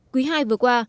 quý hai vừa qua